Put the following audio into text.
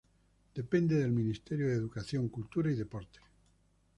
Depende del Ministerio de Educación, Cultura y Deporte.